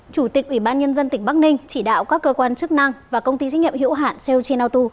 chủ tịch ủy ban nhân dân tỉnh bắc ninh chỉ đạo các cơ quan chức năng và công ty trách nhiệm hiệu hạn seoch natu